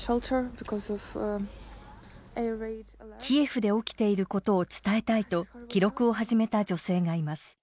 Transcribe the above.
キエフで起きていることを伝えたいと記録を始めた女性がいます。